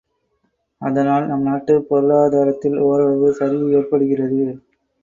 அதனால் நம் நாட்டுப் பொருளாதாரத்தில் ஓரளவு சரிவு ஏற்படுகிறது.